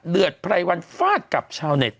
เดือดไพรวันฟาดกับชาวเน็ต